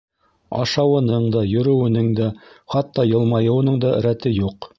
Ашауының да, йөрөүенең дә, хатта йылмайыуының да рәте юҡ.